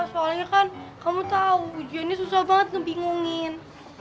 soalnya kan kamu tau hujannya susah banget ngebingungin